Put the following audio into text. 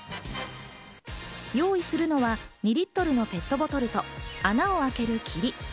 用意するのは２リットルのペットボトルと穴をあけるキリ。